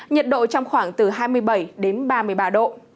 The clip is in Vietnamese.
nhiệt độ trong khoảng từ hai mươi bảy đến ba mươi ba độ